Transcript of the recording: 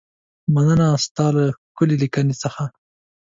مننه ستا له ښکلې لیکنې څخه.